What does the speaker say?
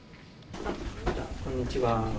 こんにちは。